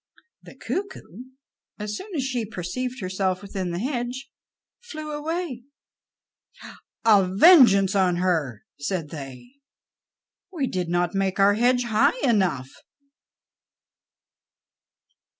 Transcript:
The cuckoo, as soon as she perceived herself within the hedge, flew away. "A vengeance on her!" said they. "We did not make our hedge high enough."